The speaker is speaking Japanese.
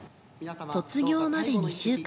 卒業まで２週間。